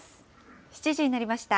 ７時になりました。